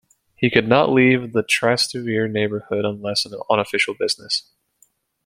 He could not leave the Trastevere neighborhood unless on official business.